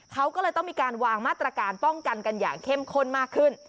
เขาก็เลยต้องมีการวางมาตรการป้องกันกันอย่างเข้มข้นมากขึ้น